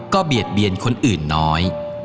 เบียดเบียนคนอื่นน้อย